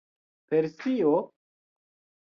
Persio?